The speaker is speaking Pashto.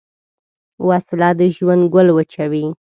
وسله د ژوند ګل وچوي